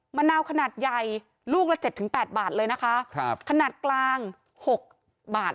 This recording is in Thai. มะนาวขนาดใหญ่ลูกละเจ็ดถึงแปดบาทเลยนะคะครับขนาดกลางหกบาท